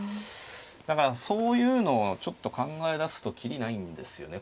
だからそういうのをちょっと考え出すと切りないんですよね。